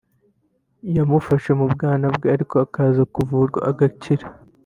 yamufashe mu bwana bwe ariko akaza kuvurwa agakira